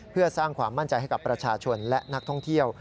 เพื่อสร้างความมั่นใจให้กับประชาชนและนักท่องเที่ยว